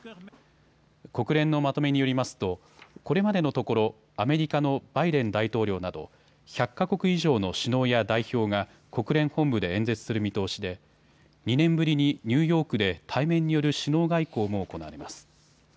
国連のまとめによりますとこれまでのところアメリカのバイデン大統領など１００か国以上の首脳や代表が国連本部で演説する見通しで２年ぶりにニューヨークで対面による首脳外交も行われます。